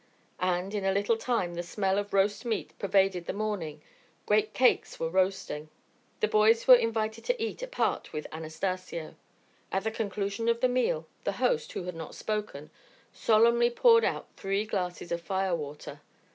And in a little time the smell of roast meat pervaded the morning, great cakes were roasting. The boys were invited to eat apart with Anastacio. At the conclusion of the meal the host, who had not spoken, solemnly poured out three glasses of fire water.